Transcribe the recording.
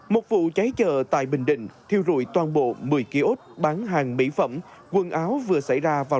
một vụ cháy chợ tại bình định thiêu rụi toàn bộ một mươi kiosk bán hàng mỹ phẩm quần áo vừa xảy ra vào